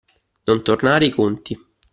Non tornare i conti.